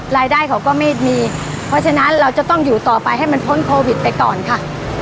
รายได้เขาก็ไม่มีเพราะฉะนั้นเราจะต้องอยู่ต่อไปให้มันพ้นโควิดไปก่อนค่ะ